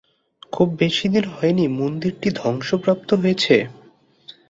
খুব বেশিদিন হয়নি মন্দিরটি ধ্বংসপ্রাপ্ত হয়েছে।